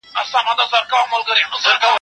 زه به سبا ځواب وليکم!.!.